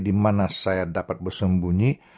dimana saya dapat bersumbunyi